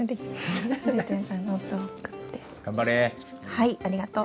はいありがとう。